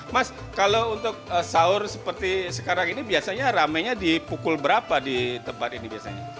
mas kalau untuk sahur seperti sekarang ini biasanya ramenya di pukul berapa di tempat ini biasanya